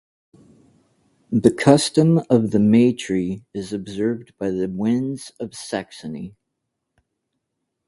The custom of the May-tree is observed by the Wends of Saxony.